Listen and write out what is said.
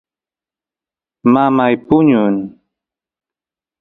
mamay puñun